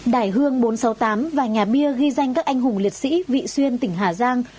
đài hương bốn trăm sáu mươi tám và nhà bia ghi danh các anh hùng liệt sĩ vị xuyên tỉnh hà giang